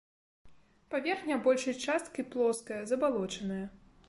Паверхня большай часткай плоская, забалочаная.